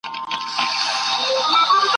دې بېدردو ته به ولي د ارمان کیسه کومه !.